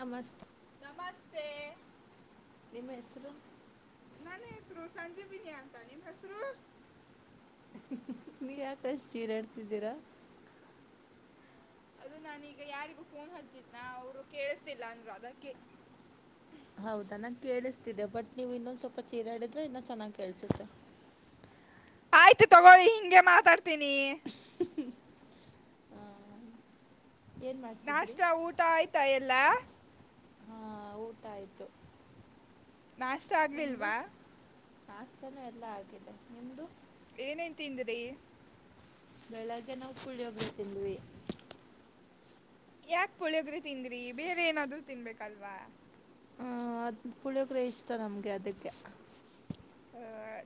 ನಮಸ್ತ ನಮಸ್ತೆ ನಿಮ್ಮ ಹೆಸರು ನಾನ ಹೆಸರು ಸಂಜೆ ಬಿರಿ ಅಂತ ನೀ ಹೆಸರು ನೀವ ಯಾಕಷ್ಟ ಜೀರಾಡ್ತಿದ್ದೀರಾ ಅದು ನಾನೀಗ ಯಾರಿಗೂ ಫೋನ್ ಹಚ್ಚಿದನಾ ಅವರು ಕೇಳಿಸ್ತಿಲ್ಲ ಅಂದ್ರು ಅದಕ್ಕೆ ಹೌದಾ ನಾ ಕೇಳಿಸ್ತಿದೆೆ ಬಟ್ ನೀವು್ ಇನ್ನೊಂದ್ ಸ್ವಲ್ಪ ಚೀರಾಡಿದ್ರೆ ಇನ್ನ ಚೆನ್ನಾಗಿ್ ಕೇಳ್ಸುತ್ತೆ ಆಯ್ತು ತಗೋಳಿ ಹಿಂಗೆ ಮಾತಾಡ್ತೀನಿ ಆ, ಏನು ಮಾಡ್ತಿದ್ರಿ ನಾಷ್ಟ ಊಟ ಆಯ್ತಾ ಎಲ್ಲಾ ಹಾ ಊಟ ಆಯ್ತು ನಾಷ್ಟ ಆಗ್ಲಿಲ್ವಾ ಆಾಸ್ತನೂ ಎಲ್ಲ ಆಗಿದೆ ನಿಮ್ಮದು ಏನೈಂತಿಂದಿ್ರೀ ಬೆಳಗ್ಗೆ ನಾವು ಕೂಳಿಯ ಹೋಗತಿಂದ್ವಿ ಯಾಕ ಪುಳಿಯೋಗ್ರಿ ತಿಂದ್ರಿ ಬೇರೆ ಏನಾದ್ರರು ತಿನ್ಬೇಕಲ್ವಾ ಹ್ಮ ಅದ ಪುಳಿಯಕರೆ ಇಷ್ಟ ನಮ್ಗೆ ಅದಕ್ಕೆ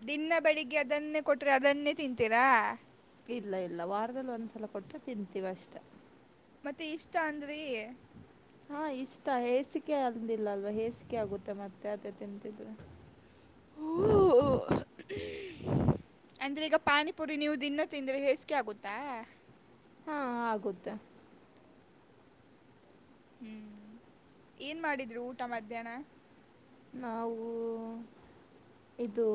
ದಿನ ಬೆಳಿಗ್ಗೆ ಅದನ್ನೇ ಕೊಟ್ರೆ ಅದನ್ನೇ ತಿಂತೀರಾ ಇಲ್ಲ ಇಲ್ಲ ವಾರದಲ್ಲಿ ಒಂದ್ಸಲ ಕೊಟ್ಟ್ರೆ ತಿನ್ಂತೀವಿ ಅಷ್ಟ ಮತ್ತೆ ಇಷ್ಟ ಅಂದ್ರೆ ಹಾ ಇಷ್ಟ ಹೇಸಿಕೆ ಅಂದಿಲ್ಲ ಅಲ್ವಾ ಹೇಸಿಕೆ ಆಗುತ್ತೆ ಮತ್ತೆ ಅದೇ ತಿಂತಿದ್ರರು ಹ ಅಂದ್ರೆ ಈಗ ಪಾನಿಪುರಿ ನೀವು ದನ್ನ ತಿಂದ್ರೆ ಹೇಸಿಗೆ ಆಗುತ್ತಾ ಹಾ ಆಗುತ್ತ ಹ್ಮ್ ಏನ್ ಮಾಡಿದ್ರು ಊಟ ಮಧ್ಯಾಹ್ನ ನಾವು ಇದು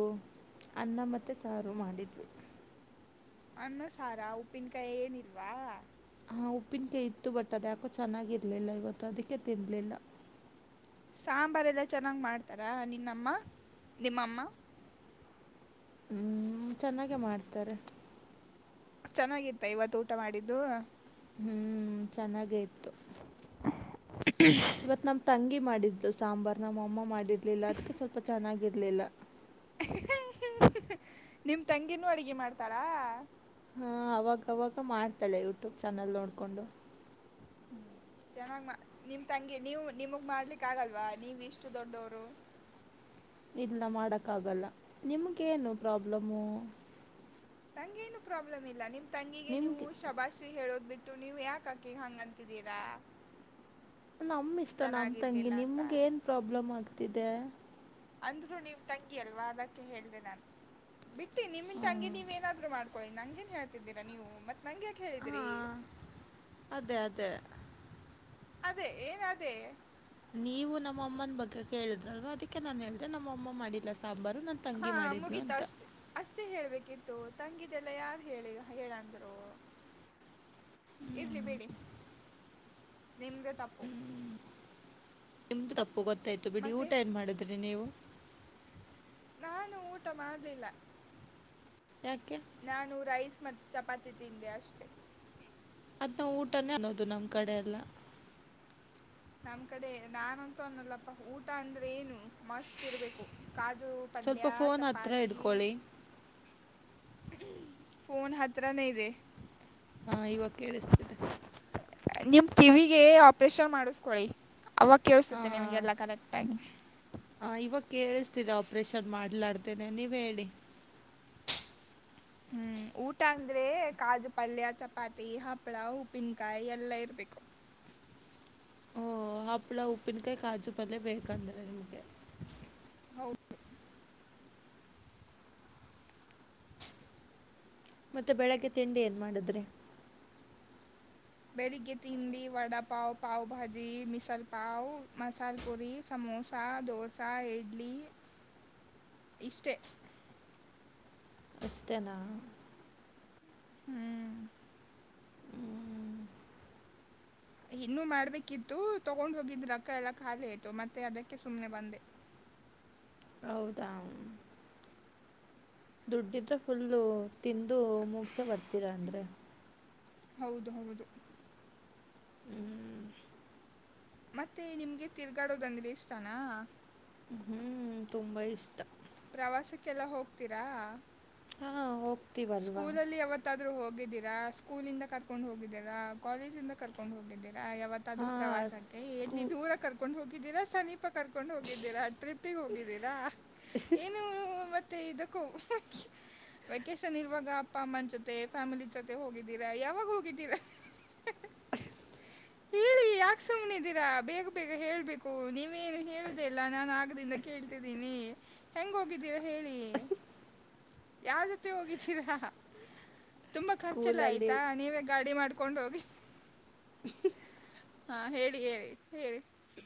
ಅನ್ನ ಮತ್ತೆ ಸಾರು ಮಾಡಿದ್ವಿ ಅನ್ನ ಸಾರಾ ಉಪ್ಪಿನಕಾಯಿ ಏನಿಲ್ವಾ ಹ ಉಪ್ಪಿನ ಕೈ ಇತ್ತು ಬಟ್ ಅದ ಯಾಕೋ ಚೆನ್ನಾಗಿರ್ಲಿಲ್ಲ ಇವತ್ತು ಅದಕ್ಕೆ ತಿನ್ಲಿಲ್ಲ ಸಾಂಬಾರ್ ಎಲ್ಲ ಚೆನ್ನಾಗ್ ಮಾಡ್ತಾರಾ ನಿನ್ನಮ್ಮ ನಿಮ್ಮಮ್ಮ ಹ್ಮ್ ಚೆನ್ನಾಗೆ ಮಾಡ್ತಾರೆ ಚೆನ್ನಾಗಿತ್ತ ಇವತ್ತು ಊಟ ಮಾಡಿದ್ದು ಹ್ಮ್ ಚೆನ್ನಾಗ ತೆ ಇವತ್ ನಮ ತಂಗಿ ಮಾಡಿದ್ದ್ು ಸಾಂಬಾರ್ ನ ಮಾಮ್ಮ ಮಾಡಿದ ಇಿಲ್ಲ ಅದಕ್ಕೆ ಸ್ವಲ್ಪ ಚೆನ್ನಾಗಿ ಇಲಲ ನಿಮ ತಂಗಿಿನೂ ಅಡಗೆ ಮಾಡ್ತಾಳಾ ಹಾ ಅವಾಗವಾಗ ಮಾಡ್ತಾಳೆ ಯೂಟ್ಯೂಬ್ ಚಾನಲ್ ನೋಡ್ಕೊಂಡು ಹ್ಮ ಚೆನ್ನಾಗ್ ನಿಮ ತಂಗಿ ನೀವು ನಿಮಗ್ ಮಾಡ್ಲಿಕ್ ಆಗಲ್ವಾ ನೀವ ಇಷ್ಟು ದೊಡ್ಡವರು ಇಲ್ಲ ಮಾಡಕ್ಕ ಆಗಲ್ಲ ನಿಮ್ಗ ಏನು ಪ್ರಾಬ್ಲಮು ನಂಗೇನು ಪ್ರಾಬ್ಲಮ್ ಇಲ್ಲ ನಿಮ್ಮ ತಂಗಿಗೆ ನೀವು ನಿಮ್ಗೆ ಶಬಾಶ್ರಿ ಹೇಳೋದ್ ಬಿಟ್ಟು ು ನೀವ್ ಯಾಕಕ್ಕಿಗ ಹಂಗಂತಿದ್ದೀರಾ ನಮ ಇಷ್ಟ ನಮ ತಂಗಿ ಅಂತ ನಿಮ್ಗೆ ಏನ್ ಪ್ರಾಬ್ಲಮ್ ಆಗ್ತಿದೆ ಅಂದ್ರು ನೀವು ತಂಗಿ ಅಲ್ವಾ ಅದಕ್ಕೆ ಹೇಳ್ದ ನಾನ್ು ಬಿಟ್ಟಿ ನಿಮ ಹಾಂ ತಂಗಗೆ ನೀವ್ ಏನಾದ್ರು ಮಾಡ್ಿ ಳಿ ನಂ ೇನ್ ಹೇಳ್ತಿದ್ದೀಾ ನೀವು ಮತ್ತೆ ನಂ್ಯಾ ಹೇಳಿದ್ರಿ ಹಾಂ ಅದೇ ಅದೇ ಅದೇ ಏನ್ ಅದೇ ನೀವು ನಮ್ಮ ಅಮ್ಮನ ಬಗ್ಗೆ ಕೇಳಿದ್ರಲ್ವ ಅದಕ್ಕೆ ನಾನನ್ ಹೇಳ್ದ ನಮ್ಮ ಅಮ್ಮ ಮಾಡಿಲ್ಲ ಸಾಂಬಾರು ನಾನು ತಂಗಿ ಮಾಡಿದ್ಲುು ಅಂತ ಮಷ್ಟೆ ಹೇಳ್ಬೇಕಿತ್ತು ತಂಗಿದೆಲ್ಲ ಯಾರು ಹೇಳಿ ಹೇಳಂದ್ರು ಇರ್ಲಿ ಬಿೇಡಿ ನಿಮ್ದ ತಪ್ಪು ಎಮ ಗೊತ್ತಾಯ್ು ಬಿಡಿ ಮತ್ತು ಊಟ ಏನ್ ಮಾಡಿದ್ರಿ ನೀವು ನಾನು ಊಟ ಮಾಡ್ಲಿಲ್ಲ ಯಾಕೆ ನಾನು ರೈಸ್ ಮ ಚಪಾತಿ ತಿಂಡಿ ಅಷ್ಟೆ ನಾ ಊಟನೇ ಅನ್ನೋದು ನಮ್ ಕಡೆ ಎಲ್ಲ ನಮ್ ಕಡೆ ನಾನಂತೂ ಅನ್ನಲ್ಲಪ್ಪ ಊಟ ಅಂದ್ರೆ ಏನು ಮಸ್ತ್ ಇರ್ಬೇಕು ಕಜು ಸ್ವಲ್ಪ ಪನ್ಲ ಫೋನ್ ಹತ್ರ ಚಪಾತಿಿ ಇಡ್ಕೊಳ್ಳಿ ಫೋನ್ ಹತ್ರರ ನೀದೆ ಹಾ ಇವಾಗ ಕೇಳಿಸ್ತಿದೆ ನಿಮ್ ಟಿವಿಗೆ ಆಪರೇಷನ್ ಮಾಡಿಸಕೊಳಿ ಅವ ಕೇಳಸುತ್ತೆ ನಿಮ್ಗೆಲ್ಲಾ ಕರೆಕ್ಟ್ ಆಗಿ ಹ ಇವಾಗ ಕೇಳಿಸ್ತಿೀರ ಆಪ್ರೇಷನ್ ಮಾಡ್ಲಾಡ್ತೇನೆ ನೀವ್ ಹೇಳಿ ಹ್ಮ್ ಊಟ ಅಂದ್ರೆ ಕಾಜು ಪಲ್ಯ ಚಪಾತಿ ಹಪ್ಳ ಉಪ್ಪಿನಕಾಯಿ ಎಲ್ಲಾ ಇರ್ಬೇಕು ಹಪ್ಪಳ ಉಪ್ಪಿನಕಾಯಿ ಕಾಜು ಪಲ್ಯ ಬೇಕಂದರೆ ನಿಮ್ಗೆ ಹೌದು ಮತ್ತೆ ಬೆಳಗ್ಗೆ ತಿಂಡಿ ಏನ್ ಮಾಡಿದ್ರೆ ಬೆಳಿಗ್ಗೆ ತಿಂಡಿ ವಡಪಾವ್ ಪಾವ್ ಭಾಜಿ ಮಿಸಲ್ಪಾವ್ ಮಸಾಲೆ ಪುರಿ ಸಮೋಸ ದೋಸಾ ಇಡ್ಲಿ ಇಷ್ಟೇ ಅಷ್ಟ ತನ್ನ ಹ್ಮ್ ಹ್ಮ್ ಇನ್ನುೂ ಮಾಡ್ಬೇಕಿತ್ತು ತಗೊಂಡ್ ಹೋಗಿದ್್ರಕ್ಕ ಎಲ್ಲ ಖಾಲಿ ಆಯ್ತು ಮತ್ತೆ ಅದಕ್ಕೆ ಸುಮ್ಮ್ನೆ ಬಂದೆ ಹೌದಾ ದುಡ್ಡಿದ್ರೆ ಫುಲ್ಲು ತಿಂದು ಮುಗಸ ಬರ್ತೀರ ಅಂದ್ರೆ ಹೌದು ಹೌದು ಹ್ಮ್ ಮತ್ತೆ ನಿಮ್ಗೆ ತಿರ್ಗಾಡೋದಂದ್ರೆ ಇಷ್ಟಾನ ತುಂಬಾ ಇಷ್ಟ ಪ್ರವಾಸಕ್ಕೆಲ್ಲ ಹೋಗ್ತೀರಾ ಹಾಂ ಹೋಗ್ತೀವಲ್ವಾ ಸ್ಕೂಲಲ್ಲಿ ಯಾವತ್ತಾದ್ರೂ ಹೋಗ ಹೋಗಿದ್ದೀರಾ ಸ್ಕೂಲ್ಂದ ಕರ್ಕೊಂಡ್ ಹೋಗಿದ್ದೀರಾ ಕಾಲೇಜ್ ಇಂದ ಕರ್ಕೊಂಡ್ ಹೋಗಿದ್ದೀರಾ ಯಾವತ್ತಾದ್ರೂ ಹಾಂ ಪ್ರವಾಸಕ್ಕೆ ಸ್ಕೂ ಎಲ್ಲಿ ದೂರ ಕರ್ಕೊಂಡ್ ಹೋಗ್ ಇದಿನ ಸಮೀಪ ಕರ್ಕೊಂಡು ಹೋಗಿದ್ದೀರ ಟ್ರಿಪ್ಪಿಿಗೆ ಹೋಗಿದ್ದೀರಾ ಏನರು ಮತ್ತೆ ಇದಕ್ಕೂ ವೆಕೇಶನ್ ಇರುವಾಗ ಅಪ್ಪ ಅಮ್ಮನ ಜೊತೆ ಫ್ಯಾಮಿಲಿ ಜೊತೆ ಹೋಗಿದ್ದೀರಾ ಯಾವಾಗ ಹೋಗಿದ್ದೀರಾ ಹೇಳಿ ಯಾಕೆ ಸುಮ್ಮನೆಿದ್ದೀರಾ ಬೇಗ ಬೇಗ ಹೇಳ್ಬೇಕು ನೀವೇನು ಹೇಳುದ ಇಲ್ಲ ನಾನನ್ ಆಗದಿಂದ ಕೇಳ್ತಿದ್ದೀನಿ ಹೆಂಗ ಹೋಗಿದ್ದೀರಾ ಹೇಳಿ ಯಾರ್ ಜೊತೆ ಹೋಗಿದ್ದೀರಾ ತುಂಬಾ ಖರ್ಚೆಲ್ಲ ಸ್ಕೂಲಲ್ಲಿ ಆಯ್ತಾ ನೀವೇ ಗಾಡಿ ಮಾಡ್ಕ ಕಕೊಂಡ ಹೋಗಿ ಹಾ ಹೇಳಿ ಹೇಳಿ ಹೇಳಿ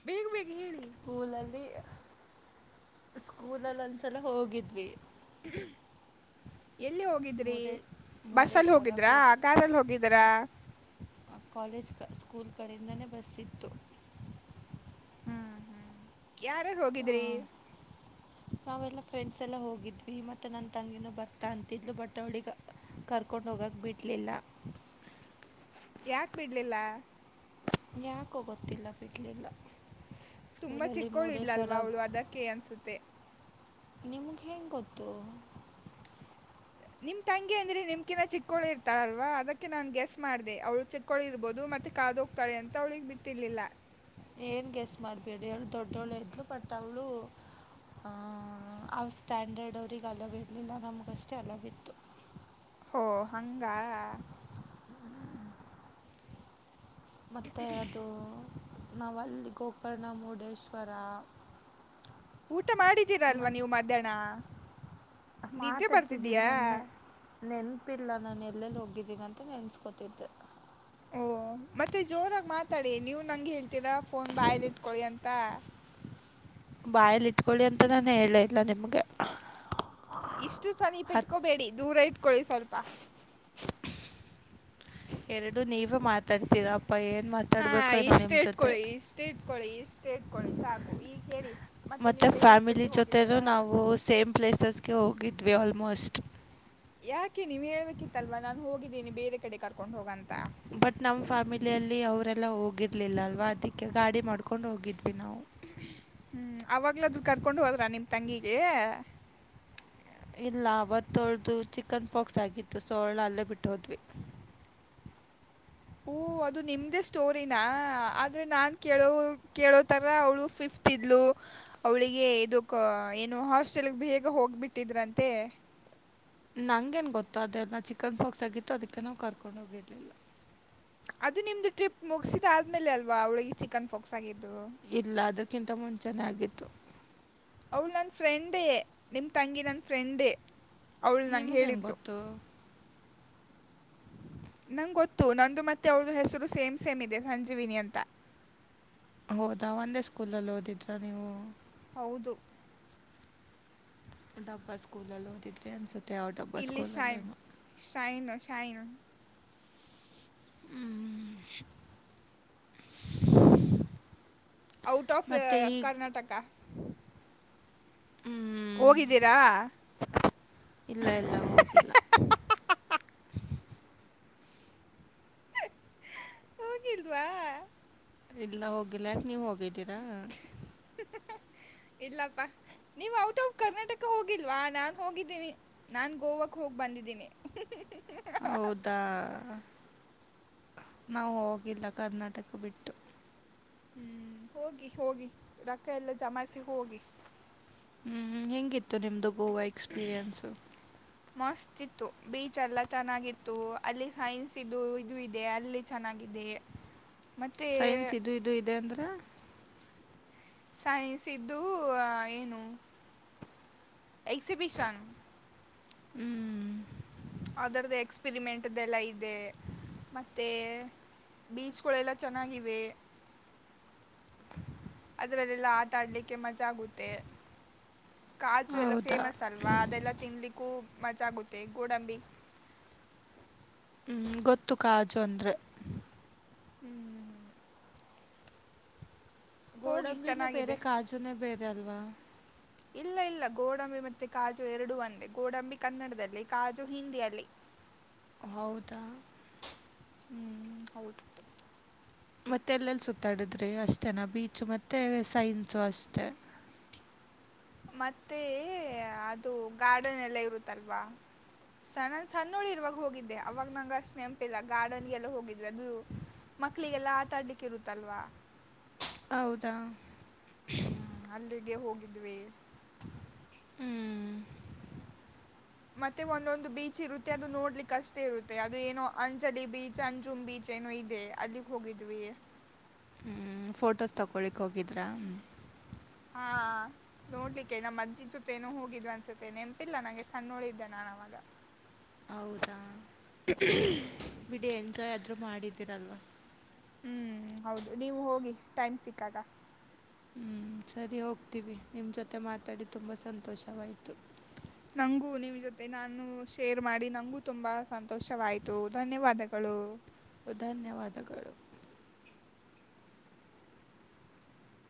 ಬೇಗ ಬ ಸ್ಕೂಲಲ್ಲಿ ಸ್ಕೂಲಲ್ಲಿ ಒಂದ್ಸಲ ಹೋಗಿದ್ವಿ ಎಲ್ಲಿ ಹೋಗಿದ್ರಿ ಮುರ್ಡೇ ಬಸ್ಸಲ್ಲಿ ಮುರುಡೇಶ್ವರ ಹೋಗಿದ್ರಾ ಗೋ ಕಾರಲ್ಲಿ ಹೋಗಿದರಾ ಕಾಲೇಜ್ ಕ ಸ್ಕೂಲ್ ಕಡೆಯಿಂದನೇ ಬಸ್ ಇತ್ತು ಹ್ಮ್ ಹ್ಮ್ ಯಾರಾರು ಹೋಗಿದ್ರಿ ನಾವೆಲ್ಲ ಫ್ರೆಂಡ್ಸ್ ಎಲ್ಲ ಹೋಗಿದ್ವಿ ಮತ್ತುತ್ತೆ ನನ್ನ ತಂಗಿನೂ ಬರ್ತಾ ಅಂತಿದ್ಲು ಬಟ್ಟವಳಿಗೆ ಕರ್ಕೊಂಡ ಹೋಗಕ್ ಬಿಡ್ಲಿಲ್ಲ ಯಾಕ್ ಬಿಡ್ಲಿಲ್ಲ ಯಾಕೋ ಗೊತ್ತಿಲ್ಲ ಬಿಡ್ಲಿಲ್ಲ ತುಂಬಾ ಚಿಕ್ಕೋಳಿದಲಲ್ವ ಅವ್ಳು ಅದಕ್ಕೆ ಅನ್ಸುತ್ತೆ ನಿ ಮುುಖೆ ಗೊತ್ತು ನಿಮ್ಮ ತಂಗಿ ಅಂದ್ರಿ ನಿಮ್ಕಿಿನ ಚಿಕ್ಕಳು ಇರ್ತಾಳಲ್ವಾ ಅದಕ್ಕೆ ನಾನು ಗೆಸ್ ಮಾಡಿದೆ ಅವಳು ಚಿಕ್ಕಳು ಇರ್ಬೋದು ಮತ್ತೆ ಕಾದುೋಗ್ತಾಳೆ ಅಂತ ಅವಳಿಗೆ ಬಿಟ್ಟಿರ್ಲಿಲ್ಲ ಏನು ಗೆಸ್ ಮಾಡಬೇಡಿ ಅವಳು ದೊಡ್ಡವಳು ಇದ್ದ್ಳು ಬಟ್ ಅವಳು ಅವ ಸ್ಟ್ಯಾಂಡರ್ಡ್ ಅವ್ರಿಗೆ ಅಲ ಇರಲಿಲ್ಲ ನಮಗಷ್ಟೇ ಅಲವಿತ್ತು ಹ ಹಂಗ ಮ ಅದು ನಾವಲ್ಲಿ ಗೋಕರ್ಣ ಮುರುಡೇಶ್ವರ ಊಟ ಮಾಡಿದ್ದೀರಲ್ವಾ ಮತ್ತು ನೀವು್ ಮಧ್ಯಾಹ್ನ ನಿದ್ದೆ ಮಾತಾಡ್ತಿದ್ದೀವಿ ಬರ್ತಿದ್ದೀಯಾ ನಂಗೆ ನೆನಪಿಲ್ಲ ನಾನು ಎಲ್ಲೆಲ್ಲಿ ಹೋಗಿದ್ದೀನಿ ಅಂತ ನೆನ್ಸ್ಕೊತಿದ್ದೆ ಓಹ ಮತ್ತೆ ಜೋರಾಗಿ ಮಾತಾಡಿ ನೀವು ನಂಗೆ ಹೇಳ್ತೀರಾ ಫೋನ್ ಬಾಯಲಿ ಇಟ್ಕೊೊಳ್ಳಿ ಅಂತ ಬಾಯಲಿ ಇಟ್ಕೊಳ್ಳಿ ಅಂತ ನಾನು ಹೇಳೇ ಇಲ್ಲ ನಿಮ್ಗೆ ಇಷ್ಟ ಸನಿಪ ಇಟ್ಕೋಬೇಡಿ ದೂರ ಇು ಕಳಿ ಸರಪಾ ಎರಡು ನೀವು ಮಾತ್ರ ತರ್ತಿರಪ್ಪ ಹಾ ಇ ಸ್ಟೇಟ್ ಕೊೊಳ್ಳಿ ಸ್ಟೇಟ್ ಕೊಳಿಷ್ಟ ಷ್ಟ ಇಡ್ಕೊಳ್ಳಿ ಸಾಕು ಈಗ ಹೇಳಿ ಮತ್ತೆ ನೀವು ಪೇರೆಂಟ್ಸ್ ಫ್ಯಾಮಿಲಿ ಜೊತೆ ಜೊತೆೇನು ಹೋಗಿದ್ದೀರಾ ನಾವು ಸೇಮ್ ಪ್ಲೇಸಸ್ಗೆ ಹೋಗಿದವಿ ವ ಆಲ್ಮೋಸ್ಟ್ ಯಾಕೆ ನೀವ್ ಹೇಳ್ಬೇಕಿತ್ತಲ್ವಾ ನಾನ್ ಹೋಗಿದ್ದೀನಿ ಬೇರೆ ಕಡೆ ಕರ್ಕೊಂಡ್ ಹೋಗಂತ ಬಟ್ ನಮ್ ಫ್ಯಾಮಿಲಿಯಲ್ಲಿ ಅವರೆಲ್ಲಾ ಹೋಗಿರ್ಲಿಲ್ಲ ಅಲ್ವಾ ಅದಕ್ಕೆ ಗಾಡಿ ಮಾಡ್ಕೊಂಡು ಹೋಗಿದ್ವಿ ನಾವು ಹ್ಮಞ ಆವಾಗಲಾದ ಕರ್ಕೊಂಡು ಹೋದ್ರಾ ನಿಮ್ಮ ತಂಗಿಗೆ ಇಲ್ಲ ಅವತ್ತೊಳ್ದು ಚಿಕನ್ ಪಾಕ್ಸ್ ಆಗಿತ್ತು ಸೊರ್ಣ ಅಲ್ಲೇ ಬಿಟ್ಟಹೋದ್ವಿ ಓಹ ಅದು ನಿಮ್ಮ್ದೇ ಸ್ಟೋರಿಿನ ಆದ್ರರೆ ನಾನು ಕೇಳೋ ಕೇಳೋಥರ ಅವಳು ಫಿಫ್ತ್ ಇದ್ಲು ಅವಳಿಗೆ ಇದಕ್ಕೆ ಏನು ಹಾಸ್ಟೆಲ್ಗೆ ಬೇಗ ಹೋಗ್ಬಿಟ್ಟಿದ್ರಂತೆ ನಂೇನ್ ಗೊತ್ತು ಅದೆಲ್ಲ ಚಿಕನ್ ಪಾಕ್ಸ್ ಆಗಿತ್ತು ಅದಕ್ಕೆ ನಾವು ಕರ್ಕೊಂಡು ಹೋಗಿರ್ಲಿಲ್ಲ ಅದು ನಿಮ್ದು ಟ್ರಿಪ್ ಮುಗಸಿದ ಆದ್ಮೇಲೆ ಅಲ್ವಾ ಅವಳಿಗೆ ಚಿಕನ್ ಫಾಕ್ಸ್ ಆಗಿತ್ತು ಇಲ್ಲ ಅದಕ್ಕಿಂತ ಮುಂಚೆ ಚೆನ್ನಾಗಿತ್ತು ಅವಳ ನನ್ ಫ್ರೆಂಡೇ ನಿಮ್ ತಂಗಿ ನನ್ ಫ್ರೆಂಡೇ ಅವಳು ನಂಗೆ ನಿಮ್ಗೆ ಹೆಂಗ ಹೇಳಿದ್ಲು ಗೊತ್ತು ನಂಗೆ ಗೊತ್ತು ನಂದು ಮತ್ತೆ ಅವಳ್ದ ಹೆಸರು ಸೇಮ್ ಸೇಮ್ ಇದೆ ಸಂಜೀವಿನಿ ಅಂತ ಹೌದಾ ಒಂದೇ ಸ್ಕೂಲ್ಲ್ಲಿ ಓದಿದ್ರ ನೀವು ಹೌದು ಡಬ್ಬಾ ಸ್ಕೂಲ ಅಲ್ಲೋ ತತ್ ಅನ್ಸ ಇಲ್ಲಿ ಸೈನ್ ಶೈನು ಸೈನು ಹ ಔಟ್ ಆಫ್ ಕರ್ನಾಟಕ ಹೋಗಿದ್ದೀರಾ ಇಲ್ಲ ಇಲ್ಲ ಹೋಗಿಲ್ಲ ಹೋಗಿಲ್ವಾ ಇಲ್ಲ ಹೋಗಿಲ್ಲ ಯಾಕೆ ನೀವ್ ಹೋಗಿದ್ದೀರಾ ಇಲ್ಲಪ್ಪಾ ನೀವ್ ಔಟ್ ಆಫ್ ಕರ್ನಾಟಕ ಹೋಗಿಲ್ವಾ ನಾನ್ ಹೋಗಿದ್ದೀನಿ ನಾನ್ ಗೋವಾಕ್ ಹೋಗಿ ಬಂದಿದ್ದೀನಿ ಹೌದಾ ನಾವು ಹೋಗಿಲ್ಲ ಕರ್ನಾಟಕ ಬಿಟ್ಟು ಹ್ಮ್ ಹೋಗಿ ಹೋಗಿ ರಕ್ಕ ಎಲ್ಲಾ ಜಮಾಯಿಸಿ ಹೋಗಿ ಹ್ಮ್ ಹೆಂಗಿತ್ತು ನಿಮ್ದು ಗೋವಾ ಎಕ್ಸ್ಪೀರಿಯನ್ಸ್ ಮಸ್ತ್ ಇತ್ತು ಬೀಚ್ ಎಲ್ಲ ಚೆನ್ನಾಗಿತ್ತು ಅಲ್ಲಿ ಸೈನ್ಸ್ ಇದು ಇದು ಇದೆ ಅಲ್ಲಿ ಚೆನ್ನಾಗಿದೆ ಮತ್ತು ಸೈನ್ಸ್ ಇದು ಇದು ಇದೆ ಅಂದ್ರೆ ಸೈನ್ಸ್ ಇದ್ದು ಏನು ಎಕ್ಸಿಬಿಷನ್ ಹ್ಮ್ ಅದರ್ದು ಎಕ್ಸ್ಪೆರಿಮೆಂಟ್್ದಲ್ಲ ಇದೆ ಮತ್ತೆ ಬೀಚ್ಗಳೆಲ್ಲ ಚೆನ್ನಾಗಿವೆ ಅದ್ರಲ್ಲೆಲ್ಲಾ ಆಟಾ ಆಡ್ಲಿಕ್ಕೆ ಮಜಾ ಆಗುತ್ತೆ ಕಾಜು ಎಲ್ಲ ಹೌದಾ ಫೇಮಸ್ ಅಲ್ವಾ ಅದೆಲ್ಲಾ ತಿನ್ಲಿಕ್ಕೂ ಮಜ್ಜಾ ಆಗುತ್ತೆ ಗೋಡಂಬಿ ಗೊತ್ತು ಕಾಜು ಅಂದರೆ ಹ್ಮ್ ಹ್ಮ್ ಹೋಗಿ ಕೊಡಂಬಿನ ಬೇರೆ ಚೆನ್ನಾಗಿದೆ ಕಾಜುನೇ ಬೇರೆ ಅಲ್ವಾ ಇಲ್ಲ ಇಲ್ಲ ಗೋಡಂಬಿ ಮತ್ತೆ ಕಾಜು ಎರಡೂ ಒಂದೇ ಗೋಡಂಬಿ ಕನ್ನಡದಲ್ಲಿ ಕಾಜು ಹಿಂದಿಯಲ್ಲಿ ಹೌದಾ ಹ್ಮ್ ಹೌದು ಮತ್ತೆ ಎಲ್ಲೆಲ್ಲಿ ಸುತ್ತಾಡಿದ್ರಿ ಅಷ್ಟೇನಾ ಬೀಚು ಮತ್ತೆ ಸೈನ್ಸು ಅಷ್ಟೆ ಮತ್ತೆ ಅದು ಗಾರ್ಡನ್ ಎಲ್ಲ ಇರುತ್ತಲ್ವಾ ಸಣನ್ ಸಣ್ಣುಳಿ ಇರುವಾಗ ಹೋಗಿದ್ದೆ ಅವಾಗ ನಂಗ ಅಷ್ಟ ನೆಂಪಿಲ್ಲ ಗಾರ್ಡನ್ಗೆಲ್ಲ ಹೋಗಿದ್ವಿ ಅದು ಮಕ್ಳಿಗೆಲ್ಲ ಆಟಾಡ್ಲಿಕ್ಕೆ ಇರುತ್ತಲ್ವ ಹೌದಾ ಹ್ಮ್ ಅಲ್ಲಿಗೆ ಹೋಗಿ ಇದುವೇ ಹ್ಮ್ ಮತ್ತೆ ಒಂದೊಂದು ಬೀಚ್ ಇರುತ್ತೆ ಅದು ನೋಡ್ಲಿಕ್ ಅಷ್ಟೇ ಇರುತ್ತೆ ಅದು ಏನೋ ಅಂಜಲಿ ಬೀಚ್ ಅಂಜುಮ್ ಬೀಚ್ ಏನೋ ಇದೆ ಅಲ್ಲಿಗ್ ಹೋಗಿದ್ವಿ ಹ್ಮ ಫೋಟೋಸ್ ತಕೊಳಿಕ್ ಹೋಗಿದ್ರಾ ಹಾ ನೋಡ್ಲಿಕ್ಕೆೇ ನಮ್ಮ ಅಜ್ಜಿ ಜೊತೆೇನೂ ಹೋಗಿದ್ವಿ ಅನ್ಸುತ್ತೆ ನೆನಪಿಲ್ಲ ನಂಗೆ ಸಣ್ಣೋಳಿದ್ದೆ ನಾನು ಅವವಾಗ ಹೌದಾ ಬಿಡಿ ಎಂಜಾಯ್ ಆದ್ರೂ ಮಾಡಿದ ತ್ತರಲ್ವಾ ಹ್ಮ್ ಹೌದು ನೀವು ಹೋಗಿ ಟೈಮ್ ಸಿಕ್ಕಾಗ ಹ್ಮ್ ಸರಿ ಹೋಗ್ತೀವಿ ನಿಮ್ಮ ಜೊತೆ ಮಾತಾಡಿ ತುಂಬ ಸಂತೋಷವಾಯ್ತು ನಂಗೂ ನಿಮ್ ಜೊತೆ ನಾನು ಶೇರ್ ಮಾಡಿ ನಂಗೂ ತುಂಬಾ ಸಂತೋಷವಾಯ್ತು ಧನ್ಯವಾದಗಳು ಧನ್ಯವಾದಗಳು